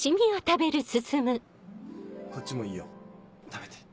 こっちもいいよ食べて。